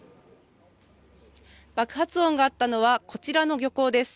爆発音があったのはこちらの漁港です。